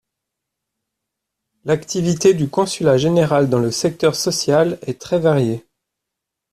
L’activité du consulat général dans le secteur social est très variée.